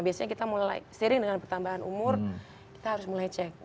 biasanya kita mulai sering dengan pertambahan umur kita harus mulai cek